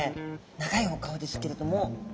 長いお顔ですけれども。